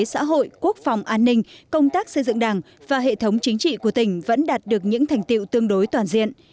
xã hội quốc phòng an ninh công tác xây dựng đảng và hệ thống chính trị của tỉnh vẫn đạt được những thành tiệu tương đối toàn diện